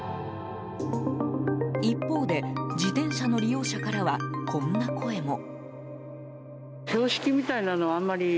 一方で自転車の利用者からはこんな声も。